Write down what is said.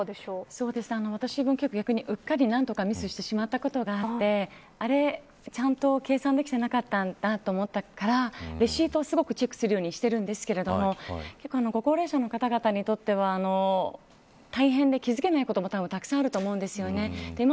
私もうっかり何度かミスしてしまったことがあってちゃんと計算できてなかったと思ったからレシートをすごくチェックしてるようにしてるんですけどご高齢者の方々にとっては大変で気付けないこともたぶんたくさんあると思うんですよね。